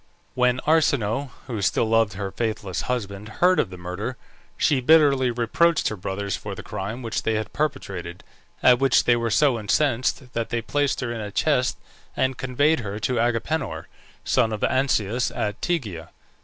When Arsinoe, who still loved her faithless husband, heard of the murder, she bitterly reproached her brothers for the crime which they had perpetrated, at which they were so incensed, that they placed her in a chest, and conveyed her to Agapenor, son of Ancaeus, at Tegea.